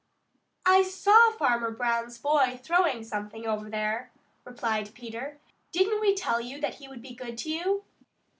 "I saw Farmer Brown's boy throwing something over there," replied Peter. "Didn't we tell you that he would be good to you?"